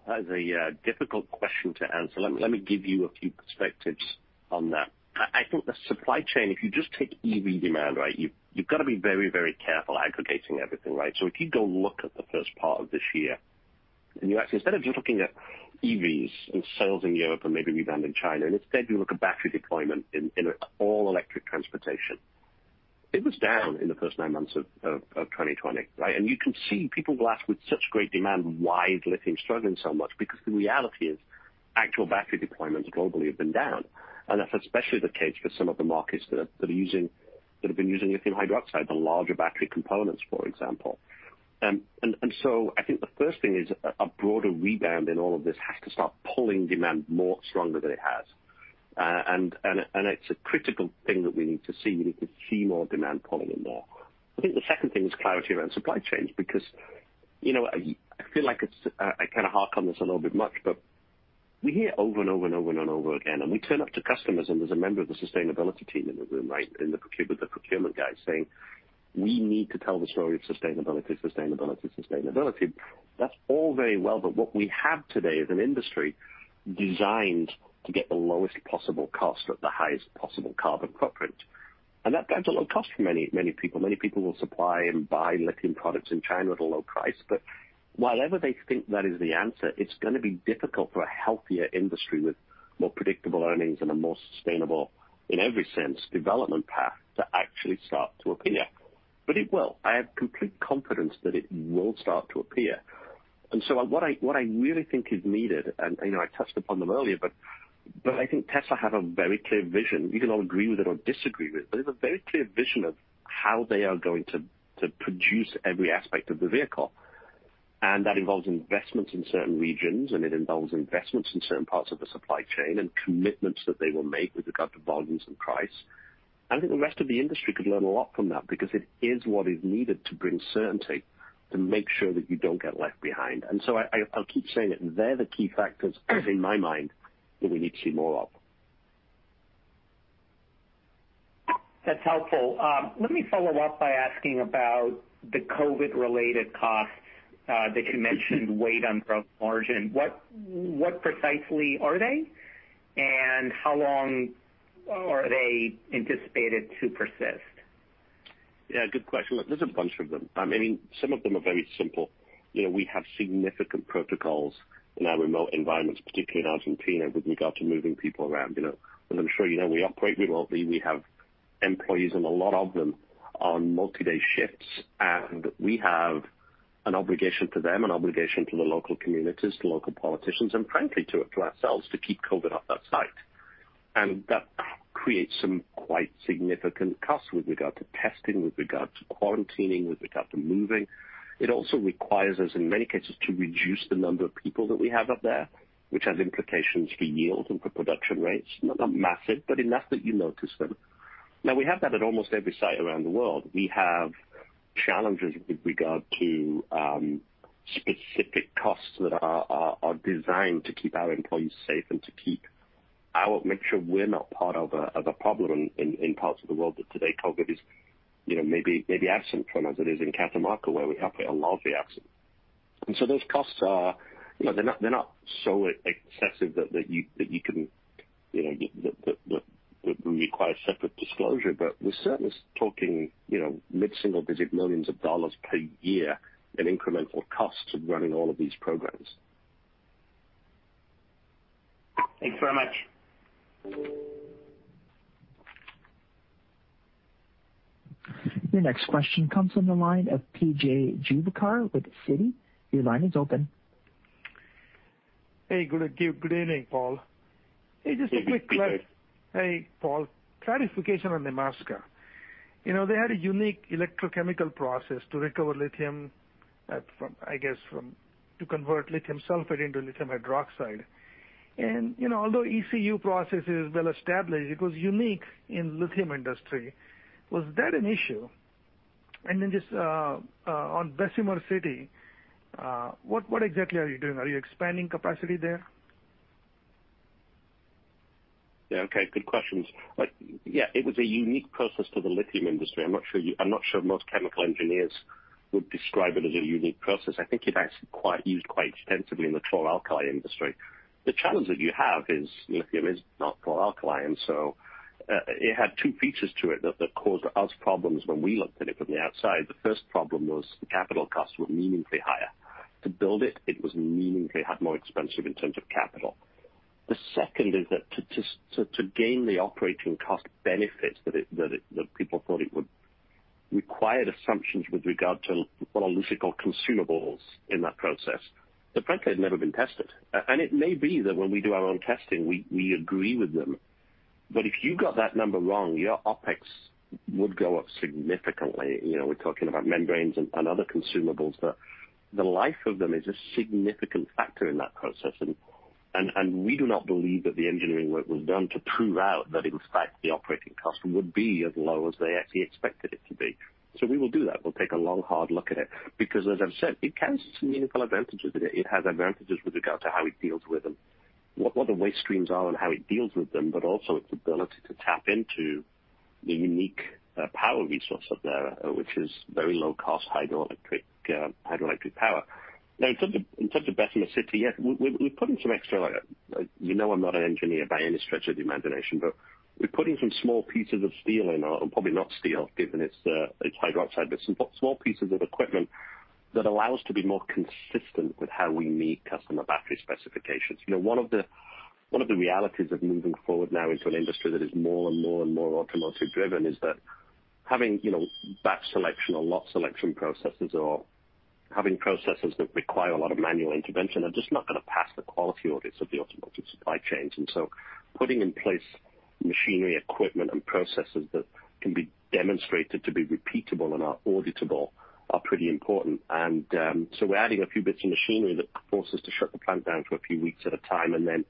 That is a difficult question to answer. Let me give you a few perspectives on that. I think the supply chain, if you just take EV demand, you've got to be very careful aggregating everything, right? If you go look at the first part of this year, and instead of just looking at EVs and sales in Europe and maybe rebound in China, and instead you look at battery deployment in all electric transportation, it was down in the first nine months of 2020, right? You can see people will ask, with such great demand, why is lithium struggling so much? The reality is actual battery deployments globally have been down, and that's especially the case for some of the markets that have been using lithium hydroxide, the larger battery components, for example. I think the first thing is a broader rebound in all of this has to start pulling demand more stronger than it has. It's a critical thing that we need to see. We need to see more demand pulling it more. I think the second thing is clarity around supply chains because I feel like I kind of hark on this a little bit much, but we hear over and over again, and we turn up to customers and there's a member of the sustainability team in the room, right? The procurement guy saying we need to tell the story of sustainability. That's all very well, but what we have today is an industry designed to get the lowest possible cost at the highest possible carbon footprint. That drives a low cost for many people. Many people will supply and buy lithium products in China at a low price. Whatever they think that is the answer, it's going to be difficult for a healthier industry with more predictable earnings and a more sustainable, in every sense, development path to actually start to appear. It will. I have complete confidence that it will start to appear. What I really think is needed, and I touched upon them earlier, but I think Tesla have a very clear vision. You can all agree with it or disagree with it, but it's a very clear vision of how they are going to produce every aspect of the vehicle. That involves investments in certain regions, and it involves investments in certain parts of the supply chain and commitments that they will make with regard to volumes and price. I think the rest of the industry could learn a lot from that because it is what is needed to bring certainty to make sure that you don't get left behind. I'll keep saying it. They're the key factors in my mind that we need to see more of. That's helpful. Let me follow up by asking about the COVID-related costs that you mentioned weighed on gross margin. What precisely are they, and how long are they anticipated to persist? Yeah, good question. Look, there's a bunch of them. Some of them are very simple. We have significant protocols in our remote environments, particularly in Argentina, with regard to moving people around. As I'm sure you know, we operate remotely. We have employees and a lot of them on multi-day shifts, and we have an obligation to them, an obligation to the local communities, to local politicians, and frankly, to ourselves to keep COVID off that site. That creates some quite significant costs with regard to testing, with regard to quarantining, with regard to moving. It also requires us, in many cases, to reduce the number of people that we have up there, which has implications for yield and for production rates. Not massive, but enough that you notice them. We have that at almost every site around the world. We have challenges with regard to specific costs that are designed to keep our employees safe and to make sure we're not part of a problem in parts of the world that today COVID is maybe absent from, as it is in Catamarca, where we operate a large asset. Those costs are not so excessive that would require separate disclosure, but we're certainly talking mid-single digit millions of dollars per year in incremental costs of running all of these programs. Thanks very much. Your next question comes from the line of P.J. Juvekar with Citi. Your line is open. Hey, good evening, Paul. Hey, P.J. Hey, Paul. Clarification on Nemaska. They had a unique electrochemical process to recover lithium, I guess, to convert lithium sulfate into lithium hydroxide. Although ECU process is well established, it was unique in lithium industry. Was that an issue? Just on Bessemer City, what exactly are you doing? Are you expanding capacity there? Okay. Good questions. It was a unique process to the lithium industry. I'm not sure most chemical engineers would describe it as a unique process. I think it's actually used quite extensively in the chlor-alkali industry. The challenge that you have is lithium is not chlor-alkali. It had two features to it that caused us problems when we looked at it from the outside. The first problem was the capital costs were meaningfully higher. To build it was meaningfully more expensive in terms of capital. The second is that to gain the operating cost benefits that people thought it would, required assumptions with regard to what I'll loosely call consumables in that process, that frankly had never been tested. It may be that when we do our own testing, we agree with them. If you got that number wrong, your OpEx would go up significantly. We're talking about membranes and other consumables that the life of them is a significant factor in that process. We do not believe that the engineering work was done to prove out that in fact, the operating cost would be as low as they actually expected it to be. We will do that. We'll take a long, hard look at it, because as I've said, it carries some meaningful advantages with it. It has advantages with regard to how it deals with them, what the waste streams are and how it deals with them, but also its ability to tap into the unique power resource up there, which is very low cost hydroelectric power. Now, in terms of Bessemer City, yeah, we're putting some extra. You know I'm not an engineer by any stretch of the imagination, but we're putting some small pieces of steel probably not steel, given it's hydroxide, but some small pieces of equipment that allow us to be more consistent with how we meet customer battery specifications. One of the realities of moving forward now into an industry that is more and more automotive driven, is that having batch selection or lot selection processes or having processes that require a lot of manual intervention are just not going to pass the quality audits of the automotive supply chains. Putting in place machinery, equipment and processes that can be demonstrated to be repeatable and are auditable are pretty important. We're adding a few bits of machinery that force us to shut the plant down for a few weeks at a time and then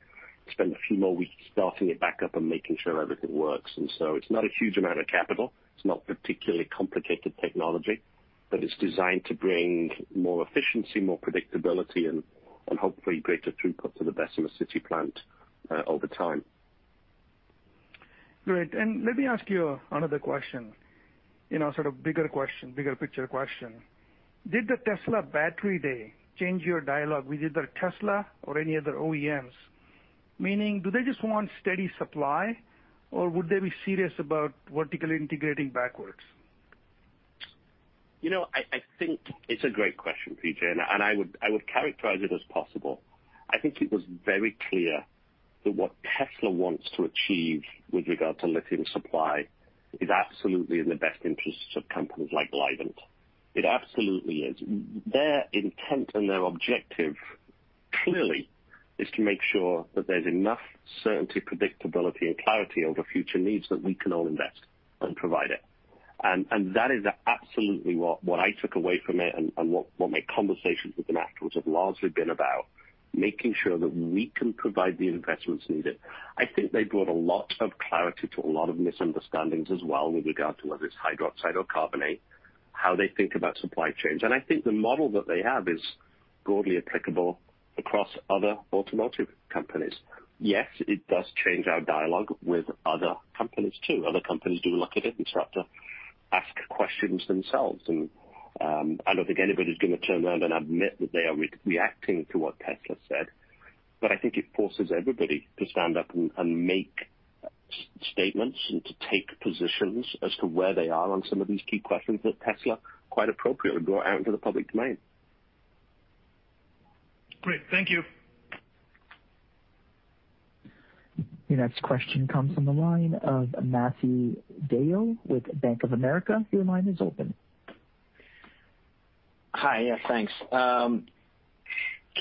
spend a few more weeks starting it back up and making sure everything works. It's not a huge amount of capital. It's not particularly complicated technology, but it's designed to bring more efficiency, more predictability and hopefully greater throughput to the Bessemer City plant over time. Great. Let me ask you another question, sort of bigger question, bigger picture question. Did the Tesla Battery Day change your dialogue with either Tesla or any other OEMs? Meaning, do they just want steady supply or would they be serious about vertically integrating backwards? I think it's a great question, P.J. I would characterize it as possible. I think it was very clear that what Tesla wants to achieve with regard to lithium supply is absolutely in the best interests of companies like Livent. It absolutely is. Their intent and their objective, clearly, is to make sure that there's enough certainty, predictability and clarity over future needs that we can all invest and provide it. That is absolutely what I took away from it and what my conversations with them afterwards have largely been about, making sure that we can provide the investments needed. I think they brought a lot of clarity to a lot of misunderstandings as well with regard to whether it's hydroxide or carbonate, how they think about supply chains. I think the model that they have is broadly applicable across other automotive companies. Yes, it does change our dialogue with other companies, too. Other companies do look at it and start to ask questions themselves. I don't think anybody's going to turn around and admit that they are reacting to what Tesla said. I think it forces everybody to stand up and make statements and to take positions as to where they are on some of these key questions that Tesla quite appropriately brought out into the public domain. Great. Thank you. Your next question comes from the line of Matthew DeYoe with Bank of America. Your line is open. Hi. Yeah, thanks. Can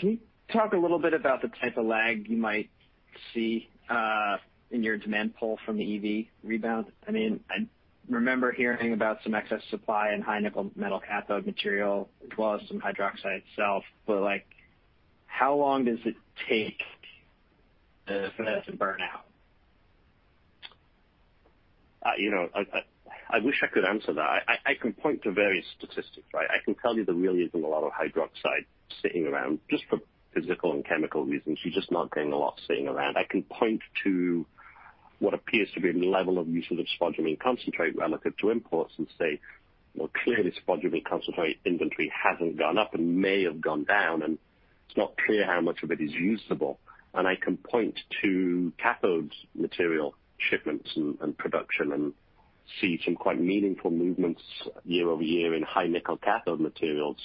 you talk a little bit about the type of lag you might see in your demand pull from the EV rebound? I remember hearing about some excess supply and high-nickel metal cathode material, as well as some hydroxide itself. How long does it take for that to burn out? I wish I could answer that. I can point to various statistics, right? I can tell you there really isn't a lot of hydroxide sitting around, just for physical and chemical reasons. You're just not getting a lot sitting around. I can point to what appears to be the level of usage of spodumene concentrate relative to imports and say, well, clearly spodumene concentrate inventory hasn't gone up and may have gone down, and it's not clear how much of it is usable. I can point to cathode material shipments and production and see some quite meaningful movements year-over-year in high-nickel cathode materials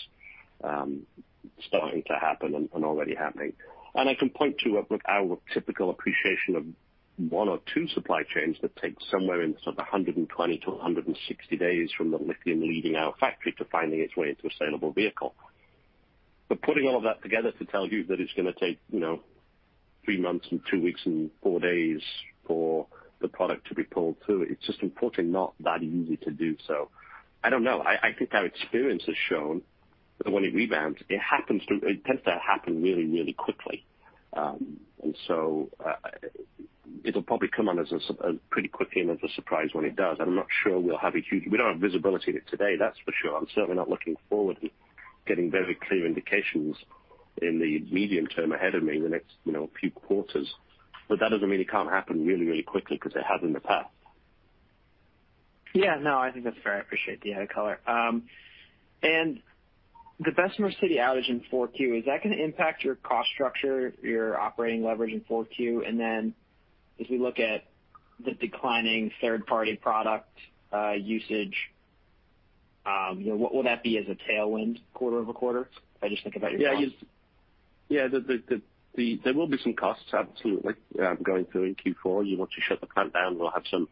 starting to happen and already happening. I can point to our typical appreciation of one or two supply chains that take somewhere in the sort of 120-160 days from the lithium leaving our factory to finding its way into a saleable vehicle. Putting all of that together to tell you that it's going to take three months and two weeks and four days for the product to be pulled through, it's just unfortunately not that easy to do so. I don't know. I think our experience has shown that when it rebounds, it tends to happen really quickly. It'll probably come on us as pretty quickly and as a surprise when it does. I'm not sure we'll have, we don't have visibility to today, that's for sure. I'm certainly not looking forward and getting very clear indications in the medium term ahead of me in the next few quarters. That doesn't mean it can't happen really, really quickly because it has in the past. Yeah, no, I think that's fair. I appreciate the added color. The Bessemer City outage in 4Q, is that going to impact your cost structure, your operating leverage in 4Q? As we look at the declining third-party product usage, what will that be as a tailwind quarter-over-quarter? If I just think about your costs. Yeah. There will be some costs, absolutely, going through in Q4. Once you shut the plant down, we'll have some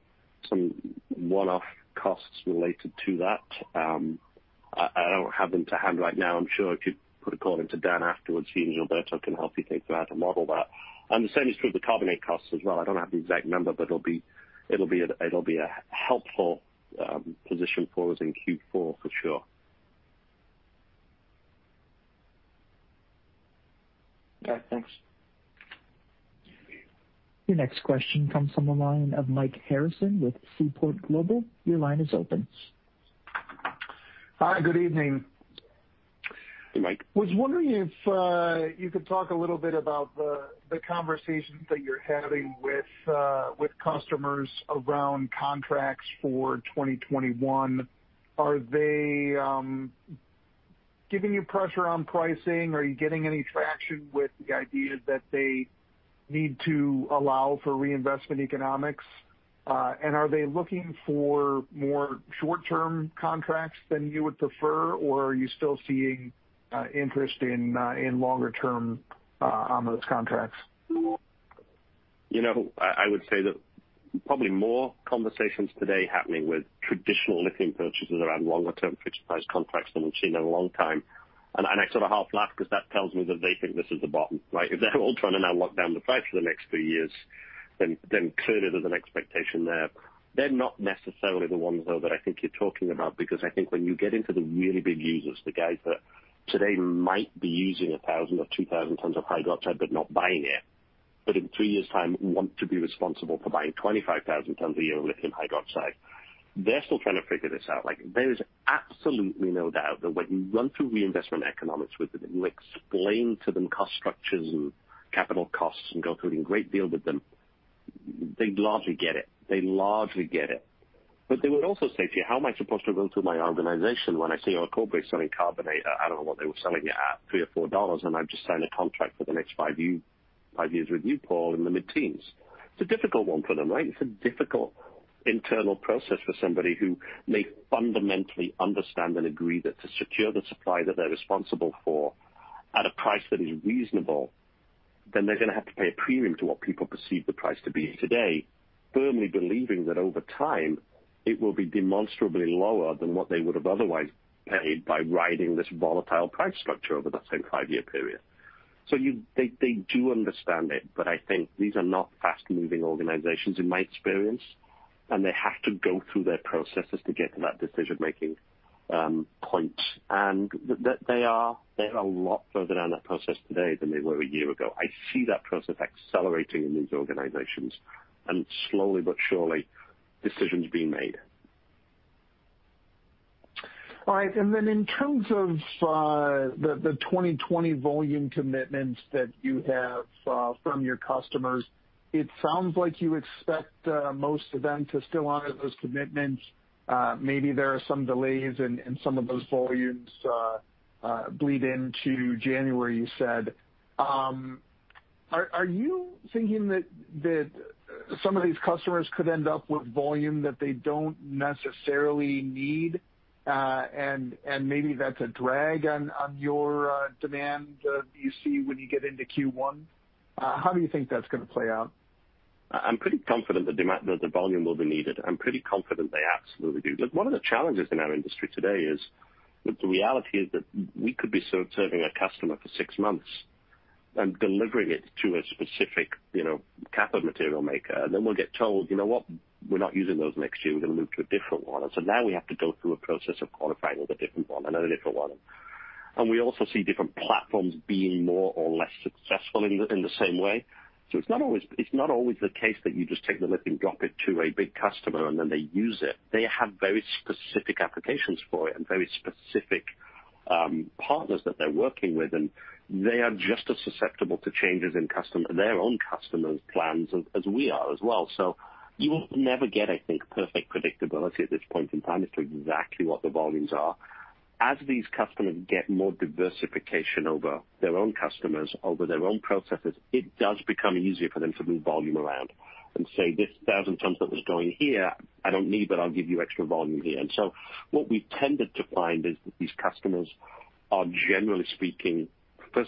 one-off costs related to that. I don't have them to hand right now. I'm sure I could put a call into Dan afterwards. He and Gilberto can help you think about how to model that. The same is true of the carbonate costs as well. I don't have the exact number, but it'll be a helpful position for us in Q4, for sure. Okay, thanks. Your next question comes from the line of Mike Harrison with Seaport Global. Hi, good evening. Hey, Mike. Was wondering if you could talk a little bit about the conversations that you're having with customers around contracts for 2021. Are they giving you pressure on pricing? Are you getting any traction with the idea that they need to allow for reinvestment economics? Are they looking for more short-term contracts than you would prefer, or are you still seeing interest in longer-term on those contracts? I would say that probably more conversations today happening with traditional lithium purchasers around longer-term fixed price contracts than we've seen in a long time. I sort of half laugh because that tells me that they think this is the bottom, right. If they're all trying to now lock down the price for the next three years, clearly there's an expectation there. They're not necessarily the ones, though, that I think you're talking about, because I think when you get into the really big users, the guys that today might be using 1,000 or 2,000 tons of hydroxide but not buying it, but in three years' time want to be responsible for buying 25,000 tons a year of lithium hydroxide, they're still trying to figure this out. There is absolutely no doubt that when you run through reinvestment economics with them and you explain to them cost structures and capital costs and go through it in great deal with them, they largely get it. They would also say to you, "How am I supposed to go to my organization when I see Orocobre selling carbonate at, I don't know what they were selling it at, $3 or $4, and I've just signed a contract for the next five years with you, Paul, in the mid-teens?" It's a difficult one for them, right? It's a difficult internal process for somebody who may fundamentally understand and agree that to secure the supply that they're responsible for at a price that is reasonable, then they're going to have to pay a premium to what people perceive the price to be today, firmly believing that over time, it will be demonstrably lower than what they would have otherwise paid by riding this volatile price structure over that same five-year period. They do understand it, but I think these are not fast-moving organizations, in my experience, and they have to go through their processes to get to that decision-making point. They are a lot further down that process today than they were a year ago. I see that process accelerating in these organizations and slowly but surely, decisions being made. All right. In terms of the 2020 volume commitments that you have from your customers, it sounds like you expect most of them to still honor those commitments. Maybe there are some delays and some of those volumes bleed into January, you said. Are you thinking that some of these customers could end up with volume that they don't necessarily need and maybe that's a drag on your demand that you see when you get into Q1? How do you think that's going to play out? I'm pretty confident that the volume will be needed. I'm pretty confident they absolutely do. One of the challenges in our industry today is that the reality is that we could be serving a customer for six months and delivering it to a specific cathode material maker, and then we'll get told, "You know what? We're not using those next year. We're going to move to a different one." Now we have to go through a process of qualifying with a different one, another different one. We also see different platforms being more or less successful in the same way. It's not always the case that you just take the lift and drop it to a big customer and then they use it. They have very specific applications for it and very specific partners that they're working with, and they are just as susceptible to changes in their own customers' plans as we are as well. You will never get, I think, perfect predictability at this point in time as to exactly what the volumes are. As these customers get more diversification over their own customers, over their own processes, it does become easier for them to move volume around and say, "This 1,000 tons that was going here, I don't need, but I'll give you extra volume here." What we've tended to find is that these customers are generally speaking.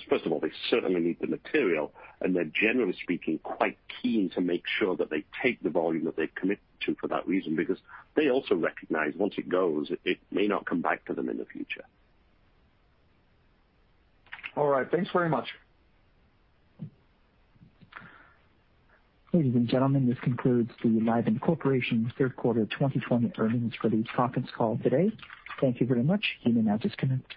First of all, they certainly need the material, and they're generally speaking, quite keen to make sure that they take the volume that they've committed to for that reason, because they also recognize once it goes, it may not come back to them in the future. All right. Thanks very much. Ladies and gentlemen, this concludes the Livent Corporation third quarter 2020 earnings release conference call today. Thank you very much. You may now disconnect.